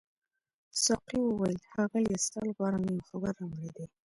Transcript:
ساقي وویل ښاغلیه ستا لپاره مې یو خبر راوړی دی.